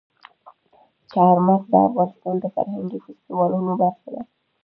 چار مغز د افغانستان د فرهنګي فستیوالونو برخه ده.